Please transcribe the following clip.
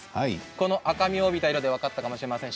この赤みを帯びた色で分かったかもしれません。